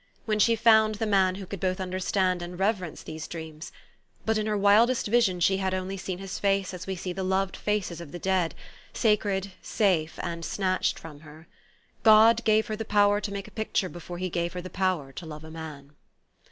When she found the man who could both understand and reverence these dreams but in her wildest vision she had only seen his face as we see the loved faces of the dead, sacred, safe, and snatched from her. God gave her the power to make a picture before he gave her the power to love a man.